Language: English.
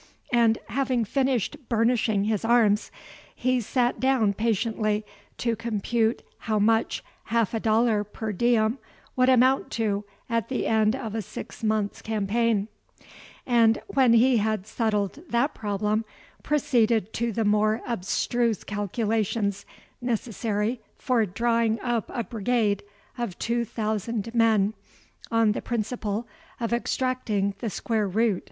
And, having finished burnishing his arms, he sate down patiently to compute how much half a dollar per diem would amount to at the end of a six months' campaign; and, when he had settled that problem, proceeded to the more abstruse calculations necessary for drawing up a brigade of two thousand men on the principle of extracting the square root.